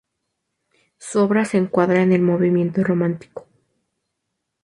Su obra se encuadra en el movimiento romántico.